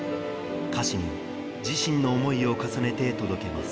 歌詞に、自身の想いを重ねて届けます。